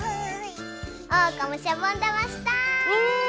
おうかもしゃぼんだましたい！